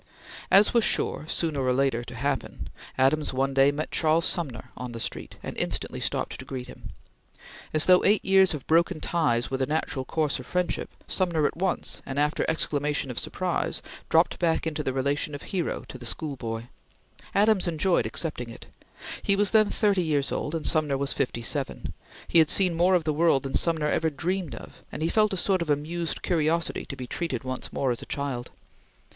As was sure, sooner or later, to happen, Adams one day met Charles Sumner on the street, and instantly stopped to greet him. As though eight years of broken ties were the natural course of friendship, Sumner at once, after an exclamation of surprise, dropped back into the relation of hero to the school boy. Adams enjoyed accepting it. He was then thirty years old and Sumner was fifty seven; he had seen more of the world than Sumner ever dreamed of, and he felt a sort of amused curiosity to be treated once more as a child.